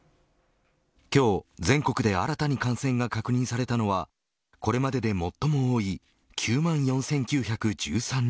今日、全国で新たに感染が確認されたのはこれまでで最も多い９万４９１３人に。